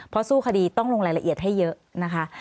เพราะสู้คดีต้องลงรายละเอียดให้เยอะนะคะ